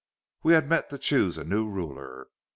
We had met to choose a new ruler.